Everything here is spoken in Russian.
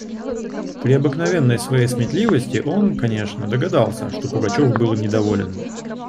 При обыкновенной своей сметливости он, конечно, догадался, что Пугачев был им недоволен.